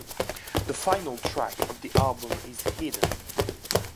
The final track of the album is hidden.